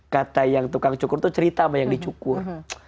kata yang tukang cukur itu cerita sama yang dicukur